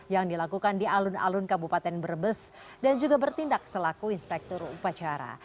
yang dilakukan di alun alun kabupaten brebes dan juga bertindak selaku inspektur upacara